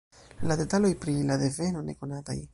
La detaloj pri la deveno ne konataj.